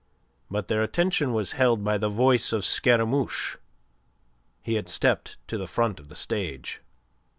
But their attention was held by the voice of Scaramouche. He had stepped to the front of the stage.